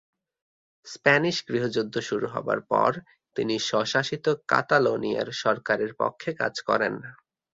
Spanish গৃহযুদ্ধ শুরু হবার পর তিনি স্বশাসিত কাতালোনিয়ার সরকার-এর পক্ষে কাজ করেন।